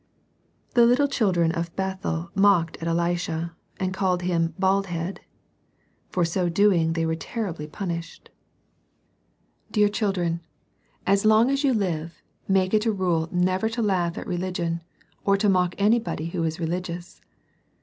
The little children of Bethel mocked at Elisha, and called him "bald head." For so doing they were terribly punished. THE TWO BEARS. 1 3 Dear children, as long as you live, make it a rule never to laugh at religion, or to mock any body who is religious.